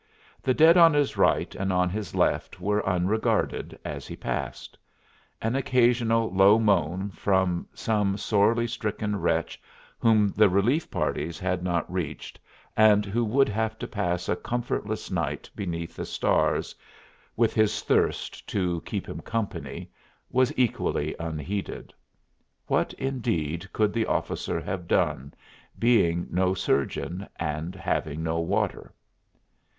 The dead on his right and on his left were unregarded as he passed. An occasional low moan from some sorely stricken wretch whom the relief parties had not reached, and who would have to pass a comfortless night beneath the stars with his thirst to keep him company, was equally unheeded. What, indeed, could the officer have done, being no surgeon and having no water?